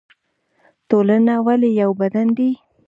ټولنه ولې یو بدن دی؟